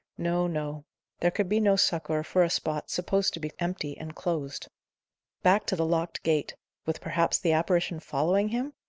No, no; there could be no succour for a spot supposed to be empty and closed. Back to the locked gate with perhaps the apparition following him?